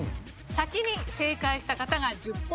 先に正解した方が１０ポイント